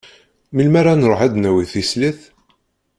Melmi ara nruḥ ad d-nawi tislit?